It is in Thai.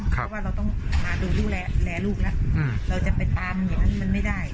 เพราะว่าเราต้องมาดูแลแหล่ลูกแล้วเราจะไปตามเหมือนไม่ได้